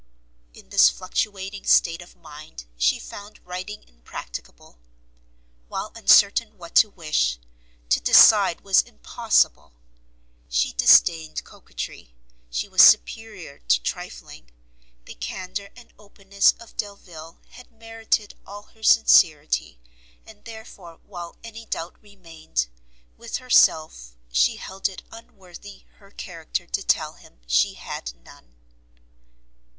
In this fluctuating state of mind she found writing impracticable; while uncertain what to wish, to decide was impossible. She disdained coquetry, she was superior to trifling, the candour and openness of Delvile had merited all her sincerity, and therefore while any doubt remained, with herself, she held it unworthy her character to tell him she had none.